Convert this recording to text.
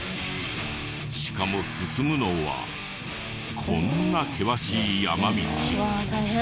しかも進むのはこんな険しい山道。